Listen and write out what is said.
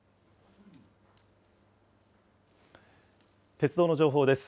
鉄道の情報です。